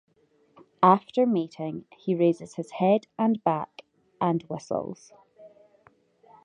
After mating, he raises his head and back and whistles.